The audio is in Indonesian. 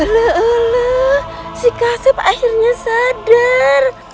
eluh eluh si kasep akhirnya sadar